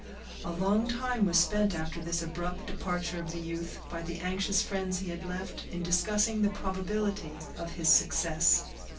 A long time was spent after this abrupt departure of the youth, by the anxious friends he had left, in discussing the probability of his success.